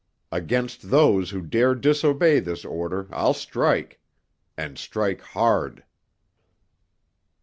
Against those who dare disobey this order I'll strike—and strike hard.